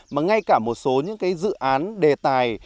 mà ngay cả một số những dự án đề tài